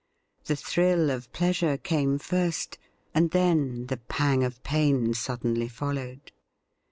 The thrill of pleasure came first, and then the pang of pain suddenly followed.